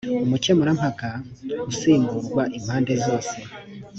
umukemurampaka usimburwa impande zose